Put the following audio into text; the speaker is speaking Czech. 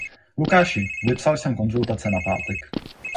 Lukáši, vypsal jsem konzultace na pátek.